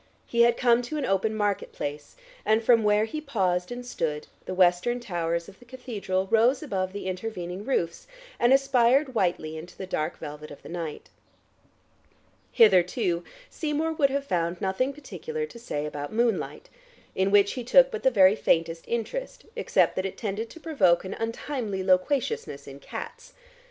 He had come to an open market place, and from where he paused and stood the western towers of the cathedral rose above the intervening roofs, and aspired whitely into the dark velvet of the night. Hitherto, Seymour would have found nothing particular to say about moonlight, in which he took but the very faintest interest, except that it tended to provoke an untimely loquaciousness in cats.